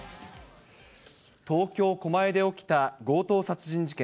東京・狛江で起きた強盗殺人事件。